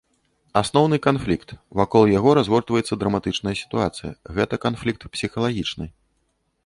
Асноўны канфлікт, вакол яго разгортваецца драматычная сітуацыя, гэта канфлікт псіхалагічны.